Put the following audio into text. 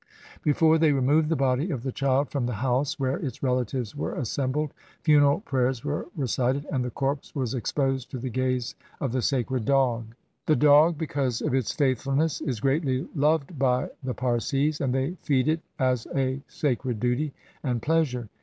Before they removed the body of the child from the house where its relatives were assembled, funeral prayers were recited, and the corpse was exposed to the gaze of the sacred dog. [The dog, because of its faithfulness, is greatly loved by the Parsis, and they feed it as a sacred duty and pleasure.